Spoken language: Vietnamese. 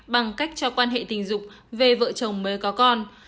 bằng cách cho quan hệ tình dục về vợ chồng mới có con